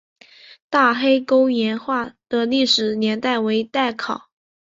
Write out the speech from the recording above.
大黑沟岩画的历史年代为待考。